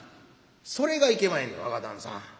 「それがいけまへんねん若旦さん。